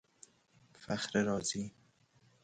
فخر رازی